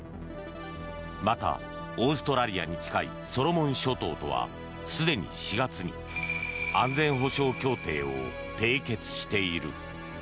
また、オーストラリアに近いソロモン諸島とはすでに４月に安全保障協定を締結している。